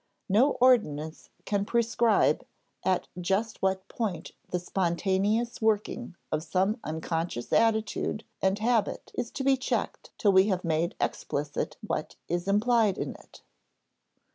No ordinance can prescribe at just what point the spontaneous working of some unconscious attitude and habit is to be checked till we have made explicit what is implied in it.